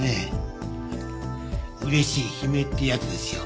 嬉しい悲鳴ってやつですよ。